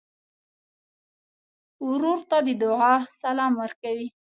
ورور ته د دعا سلام ورکوې.